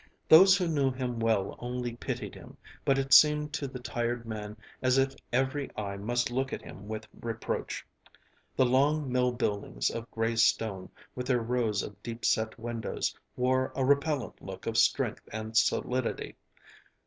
Those who knew him well only pitied him, but it seemed to the tired man as if every eye must look at him with reproach. The long mill buildings of gray stone with their rows of deep set windows wore a repellent look of strength and solidity.